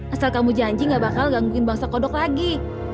asal kamu janji gak bakal gangguin bangsa kodok lagi